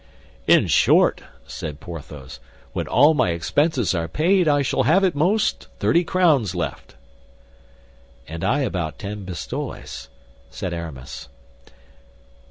"In short," said Porthos, "when all my expenses are paid, I shall have, at most, thirty crowns left." "And I about ten pistoles," said Aramis.